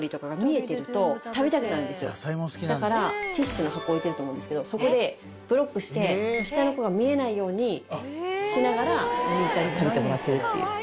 だからティッシュの箱置いてると思うんですけどそこでブロックして下の子が見えないようにしながらお兄ちゃんに食べてもらってるっていう。